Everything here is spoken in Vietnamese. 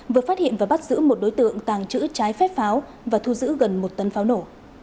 vừa phát hiện và bắt giữ một đối tượng tàng trữ trái phép pháo và thu giữ gần một tấn pháo nổ